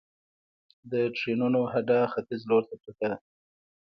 د ټرېنونو هډه ختیځ لور ته پرته ده